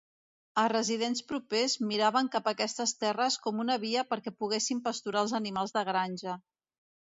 Els residents propers miraven cap a aquestes terres com una via perquè poguessin pasturar els animals de granja.